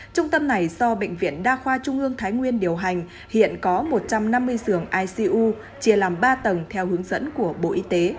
trung tâm này do bệnh viện đa khoa trung ương thái nguyên điều hành hiện có một trăm năm mươi giường icu chia làm ba tầng theo hướng dẫn của bộ y tế